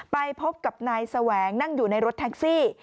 ไปพบกับนายแสวงนั่งอยู่ในรถแท็กซี่